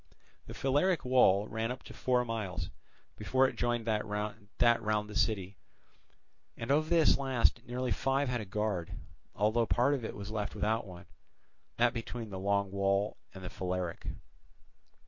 The Phaleric wall ran for four miles, before it joined that round the city; and of this last nearly five had a guard, although part of it was left without one, viz., that between the Long Wall and the Phaleric.